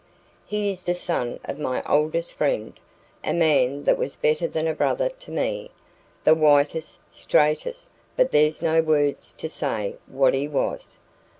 He is the son of my oldest friend, a man that was better than a brother to me the whitest, straightest But there's no words to say what he was.